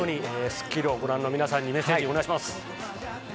『スッキリ』をご覧の皆さんにメッセージをお願いします。